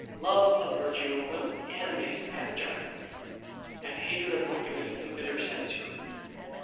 Love of virtue will animate panegyrick, and hatred of wickedness embitter censure.